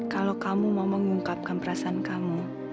kalau kamu mau mengungkapkan perasaan kamu